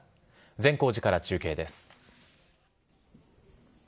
善光寺から中継です。